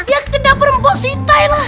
ya ke dapur mbok sitai lah